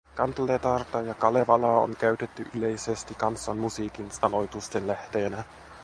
Kanteletarta ja Kalevalaa on käytetty yleisesti kansanmusiikin sanoitusten lähteenä